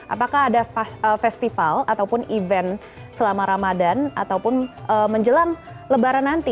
apakah ada festival ataupun event selama ramadan ataupun menjelang lebaran nanti